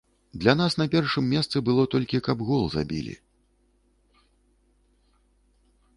Для нас на першым месцы было толькі каб гол забілі.